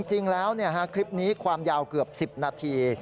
จริงแล้วคลิปนี้ความยาวเกือบ๑๐นาที